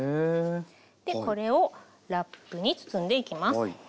これをラップに包んでいきます。